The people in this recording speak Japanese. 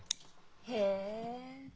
へえ。